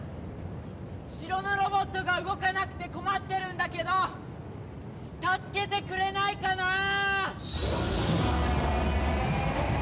城のロボットが動かなくて困ってるんだけど助けてくれないかなー？